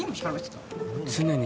「常に”